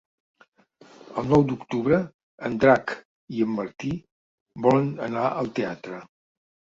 El nou d'octubre en Drac i en Martí volen anar al teatre.